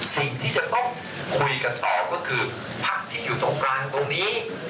สิ่งที่จะต้องคุยกันต่อก็คือพักที่อยู่ตรงกลางตรงนี้